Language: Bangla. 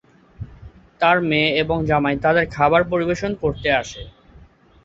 তার মেয়ে এবং জামাই তাদের খাবার পরিবেশন করতে আসে।